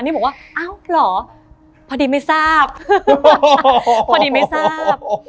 นี่บอกว่าอ้าวเหรอพอดีไม่ทราบพอดีไม่ทราบ